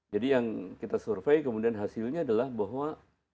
jadi yang kita survei kemudian hasilnya adalah bahwa